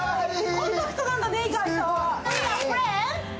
コンパクトなんだね、意外と。